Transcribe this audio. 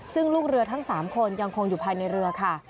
ซึ่งลูกเรือทั้ง๓คนยังคงอยู่ภายในเรือค่ะ